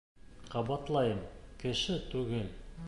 — Ҡабатлайым: кеше түгел.